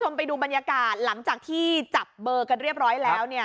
ไปดูบรรยากาศหลังจากที่จับเบอร์กันเรียบร้อยแล้วเนี่ย